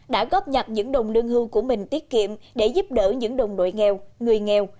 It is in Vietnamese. đã góp nhặt những đồng lương hưu của mình tiết kiệm để giúp đỡ những đồng đội nghèo người nghèo